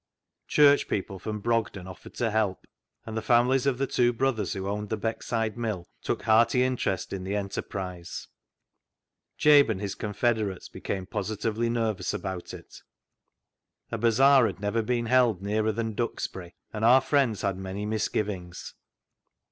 Church people from Brogden offered to help, and the families of the two brothers who owned the Beckside Mill took hearty interest in the enterprise. Jabe and his confederates became positively nervous about it. A bazaar had never been held nearer than Duxbury, and our friends had many misgivings.